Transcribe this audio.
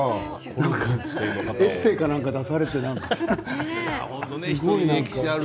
エッセーかなにか出されている？